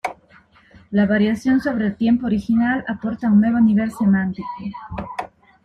La variación sobre el tiempo original aporta un nuevo nivel semántico.